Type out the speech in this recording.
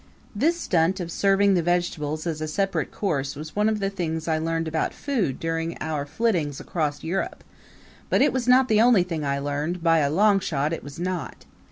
This stunt of serving the vegetable as a separate course was one of the things I learned about food during our flittings across Europe, but it was not the only thing I learned by a long shot it was not.